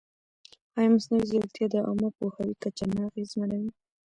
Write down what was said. ایا مصنوعي ځیرکتیا د عامه پوهاوي کچه نه اغېزمنوي؟